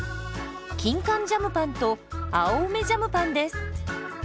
キンカンジャムパンと青梅ジャムパンです。